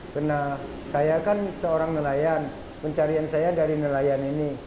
karena saya kan seorang nelayan pencarian saya dari nelayan ini